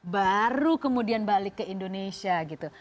baru kemudian balik ke indonesia gitu